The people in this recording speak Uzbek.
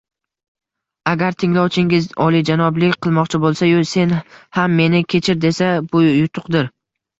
Agar tinglovchingiz olijanoblik qilmoqchi bo‘lsa-yu, “Sen ham meni kechir”, desa – bu yutuqdir.